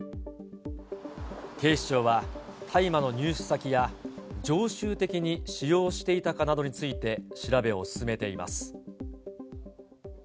警視庁は大麻の入手先や、常習的に使用していたかなどについて、調べを進めています。